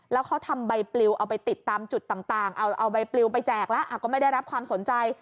แล้วเขาทำใบปลิวเอาไปติดตามจุดต่างเอาใบปลิวไปแจกแล้วก็ไม่ได้รับความสนใจ